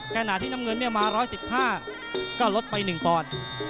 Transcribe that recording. แก่หน่าที่น้ำเงินมา๑๑๕ก็ลดไป๑ปร